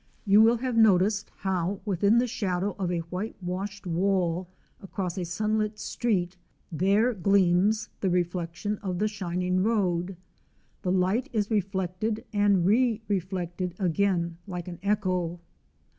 You will have noticed how within the shadow of a white washed wall across a sun lit street, there gleams the reflection of the shining road. The light is reflected and re reflected again like an echo.